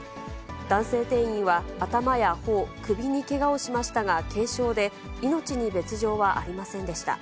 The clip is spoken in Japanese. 男性店員は頭やほお、首にけがをしましたが軽傷で、命に別状はありませんでした。